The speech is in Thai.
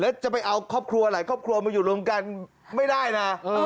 แล้วจะไปเอาครอบครัวหลายครอบครัวมาอยู่รวมกันไม่ได้นะ